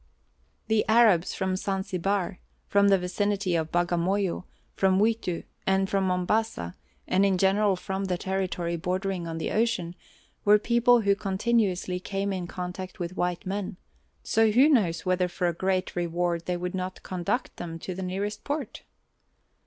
The Arabs from Zanzibar, from the vicinity of Bagamoyo, from Witu and from Mombasa, and in general from the territory bordering on the ocean, were people who continuously came in contact with white men; so who knows whether for a great reward they would not conduct them to the nearest port?